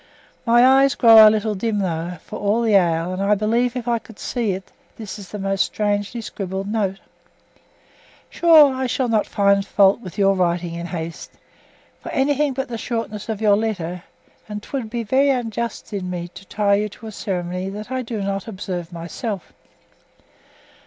My eyes grow a little dim though, for all the ale, and I believe if I could see it this is most strangely scribbled. Sure, I shall not find fault with your writing in haste, for anything but the shortness of your letter; and 'twould be very unjust in me to tie you to a ceremony that I do not observe myself.